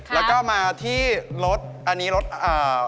แล้วมาที่รสอันนี้รสอะ